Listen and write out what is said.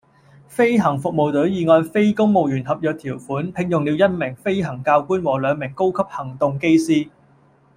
飛行服務隊已按非公務員合約條款聘用了一名飛行教官和兩名高級行動機師